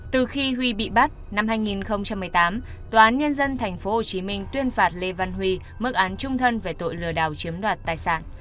từ khi huy bị bắt năm hai nghìn một mươi tám tòa án nhân dân tp hcm tuyên phạt lê văn huy mức án trung thân về tội lừa đảo chiếm đoạt tài sản